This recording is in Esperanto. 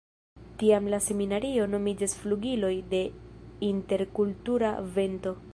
Tiam la seminario nomiĝas Flugiloj de interkultura vento.